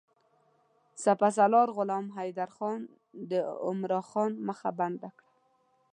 سپه سالار غلام حیدرخان د عمرا خان مخه بنده کړه.